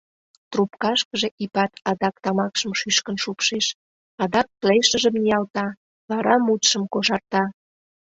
Трубкашкыже Ипат адак тамакшым шӱшкын шупшеш, адак плешыжым ниялта, вара мутшым кошарта.